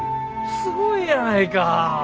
すごいやないか。